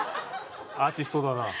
アーティストだな。